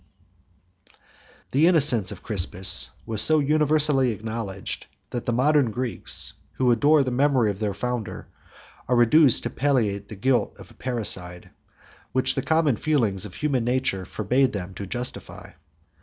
] The innocence of Crispus was so universally acknowledged, that the modern Greeks, who adore the memory of their founder, are reduced to palliate the guilt of a parricide, which the common feelings of human nature forbade them to justify.